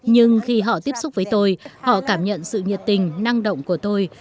nhưng khi họ tiếp xúc với tôi họ cảm nhận sự nhiệt tình năng động của tôi